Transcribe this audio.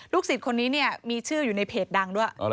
สิทธิ์คนนี้เนี่ยมีชื่ออยู่ในเพจดังด้วย